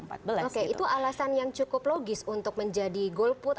oke itu alasan yang cukup logis untuk menjadi golput